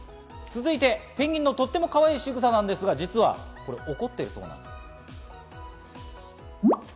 続いてペンギンのとってもかわいいしぐさですが、実は怒っているそうです。